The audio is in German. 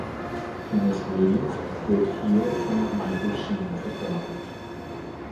Kenneth Williams wird hier von Michael Sheen verkörpert.